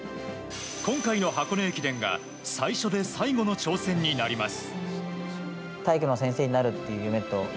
今回の箱根駅伝が最初で最後の挑戦になります。